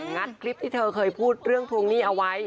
ัดคลิปที่เธอเคยพูดเรื่องทวงหนี้เอาไว้